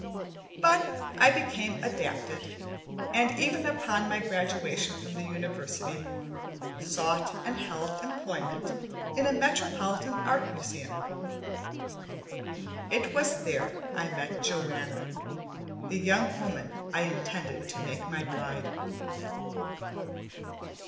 But I became adapted, and even upon my graduation from the university, sought and held employment in a metropolitan art museum. It was there I met Joanna, the young woman I intended to make my bride.